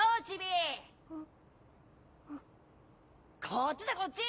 こっちだこっち！